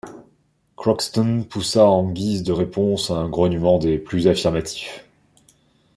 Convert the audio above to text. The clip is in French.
Crockston poussa en guise de réponse un grognement des plus affirmatifs.